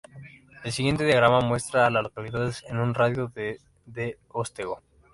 El siguiente diagrama muestra a las localidades en un radio de de Otsego.